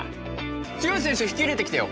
強い選手引き入れてきてよ